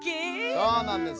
そうなんです。